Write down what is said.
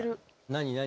何何？